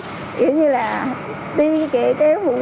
nghĩa như là đi kể cái phụ huynh